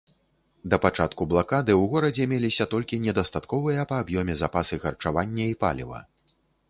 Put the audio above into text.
Да пачатку блакады ў горадзе меліся толькі недастатковыя па аб'ёме запасы харчавання і паліва.